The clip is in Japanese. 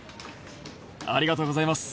ありがとうございます。